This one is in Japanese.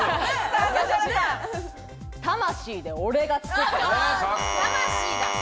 魂で俺が作ってる。